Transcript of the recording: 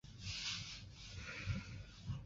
比彭是德国下萨克森州的一个市镇。